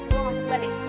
gue masuk dulu deh